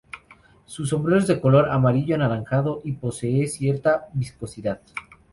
Su sombrero es de color amarillo anaranjado y posee cierta viscosidad.